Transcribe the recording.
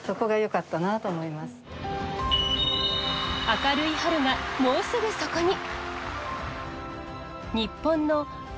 明るい春がもうすぐそこに。